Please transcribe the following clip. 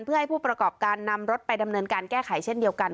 เพื่อให้ผู้ประกอบการนำรถไปดำเนินการแก้ไขเช่นเดียวกัน